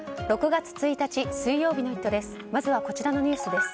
６月１日水曜日の「イット！」です。